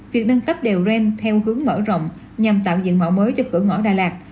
việc nâng cấp đèo ren theo hướng mở rộng nhằm tạo diện mạo mới cho cửa ngõ đà lạt